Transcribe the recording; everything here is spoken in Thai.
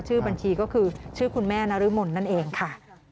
ชื่อบัญชีก็คือชื่อคุณแม่นรมนนั่นเองค่ะ